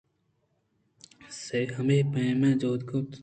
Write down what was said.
سے ہمے پیمیں جہد کُت